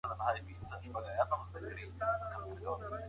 که ساحوي مطالعه ونه سي څېړنه نیمګړي پاتې کیږي.